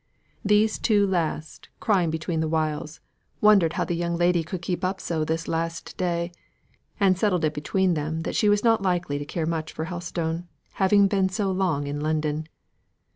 These two last, crying between whiles, wondered how the young lady could keep up so this last day, and settled it between them that she was not likely to care much for Helstone, having been so long in London.